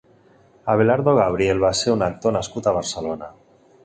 Abelardo Gabriel va ser un actor nascut a Barcelona.